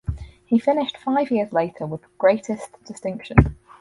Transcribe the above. He finished five years later with greatest distinction.